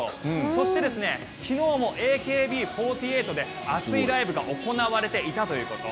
そして、昨日もＡＫＢ４８で熱いライブが行われていたということ。